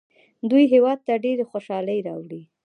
دوی هیواد ته ډېرې خوشحالۍ راوړي.